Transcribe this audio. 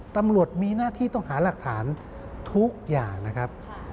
ตำรวจมีหน้าที่ต้องหาหลักฐานทุกอย่างนะครับ